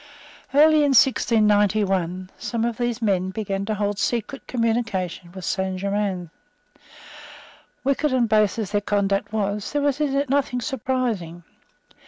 Early in 1691, some of these men began to hold secret communication with Saint Germains. Wicked and base as their conduct was, there was in it nothing surprising.